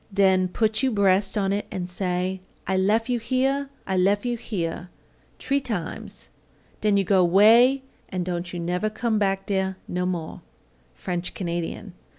Den put you breas' on it and say, 'I lef you here, I lef you here,' tree times, den you go 'way and don't you never come back dere no more." _French Canadian.